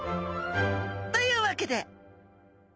というわけで！